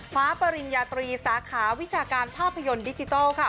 ปริญญาตรีสาขาวิชาการภาพยนตร์ดิจิทัลค่ะ